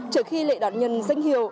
trước khi lễ đón nhận danh hiệu